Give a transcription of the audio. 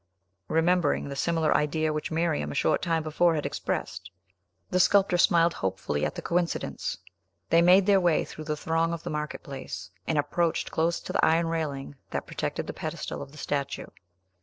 Remembering the similar idea which Miriam a short time before had expressed, the sculptor smiled hopefully at the coincidence. They made their way through the throng of the market place, and approached close to the iron railing that protected the pedestal of the statue.